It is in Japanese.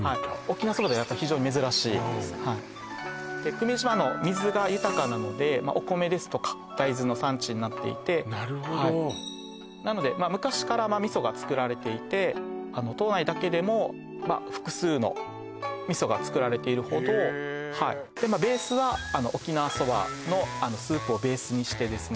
久米島あの水が豊かなのでお米ですとか大豆の産地になっていてなるほどなので昔から味噌がつくられていてあの島内だけでもまあ複数の味噌がつくられているほどへえはいベースは沖縄そばのあのスープをベースにしてですね